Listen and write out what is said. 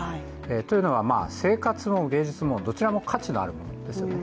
というのは、生活も芸術もどちらも価値のあるものですよね。